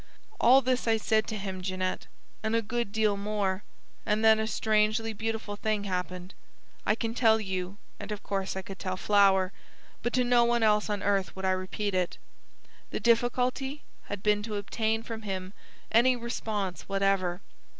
All this I said to him, Jeanette, and a good deal more; and then a strangely beautiful thing happened. I can tell you, and of course I could tell Flower, but to no one else on earth would I repeat it. The difficulty had been to obtain from him any response whatever.